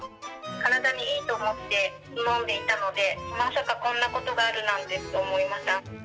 体にいいと思って飲んでいたので、まさかこんなことがあるなんてと思いました。